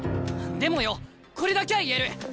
でもよこれだきゃ言える。